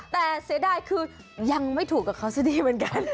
แต่เสียดายคือยังไม่ถูกกับเขาซะดีเหมือนกัน